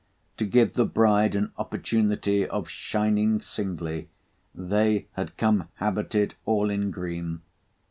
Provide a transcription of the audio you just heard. To give the bride an opportunity of shining singly, they had come habited all in green.